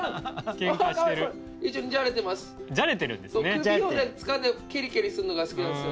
首をつかんで蹴り蹴りするのが好きなんですよ